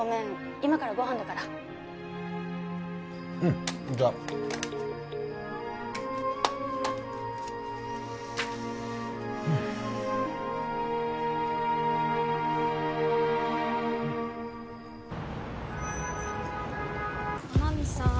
今からご飯だからうんじゃ天海さん